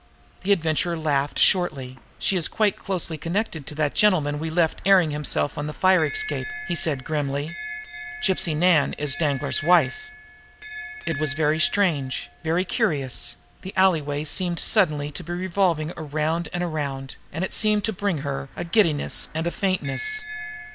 The Adventurer laughed shortly. "She is quite closely connected with that gentleman we left airing himself on the fire escape," he said grimly. "Gypsy Nan is Danglar's wife." It was very strange, very curious the alleyway seemed suddenly to be revolving around and around, and it seemed to bring her a giddiness and a faintness.